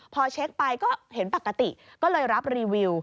พอเช็คไปก็เห็นปกติก็เลยรับรีวิว